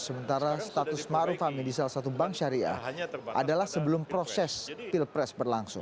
sementara status maruf amin di salah satu bank syariah adalah sebelum proses pilpres berlangsung